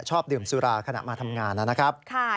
ชอบดื่มสุราขณะมาทำงานนะครับ